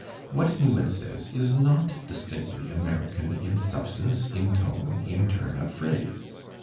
What Newman says is not distinctly American in substance, in tone, in turn of phrase.